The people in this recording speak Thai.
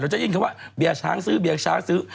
เราจะยินว่าเบียร์ช้างซื้อ